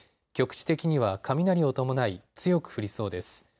局地的には雷を伴い強く降りそうです。